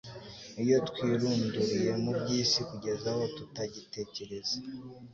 Iyo twirunduriye mu by'isi kugeza aho tutagitekereza